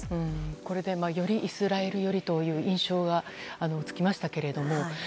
これで、よりイスラエル寄りという印象がつきましたけれども。